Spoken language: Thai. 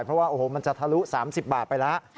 เพราะว่าโอ้โหมันจะทะลุ๓๐บาทไปแล้ว